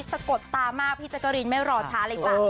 สะกดตามากพี่แจ๊กกะรีนไม่รอช้าเลยจ้ะ